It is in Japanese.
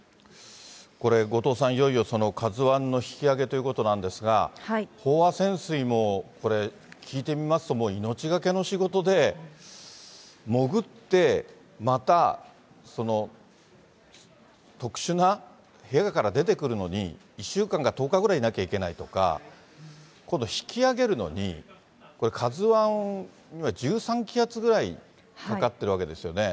これ、後藤さん、いよいよＫＡＺＵＩの引き揚げということなんですが、飽和潜水も、これ、聞いてみますと、命懸けの仕事で、潜って、また特殊な部屋から出てくるのに、１週間から１０日ぐらいいなきゃいけないとか、今度引き揚げるのに、これ、ＫＡＺＵＩは１３気圧ぐらいかかってるわけですよね。